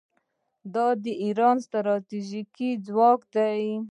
دا د ایران ستراتیژیک ځواک دی.